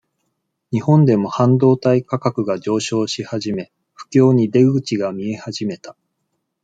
日本でも、半導体価格が上昇し始め、不況に、出口が見え始めた。